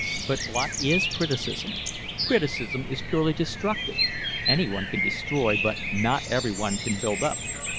But what is criticism? Criticism is purely destructive; anyone can destroy, but not everyone can build up.